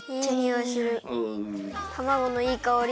たまごのいいかおり！